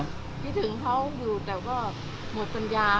คิดถึงเขาอยู่แต่ก็หมดปัญญา